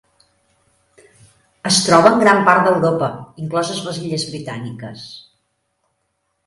Es troba en gran part d'Europa, incloses les Illes Britàniques.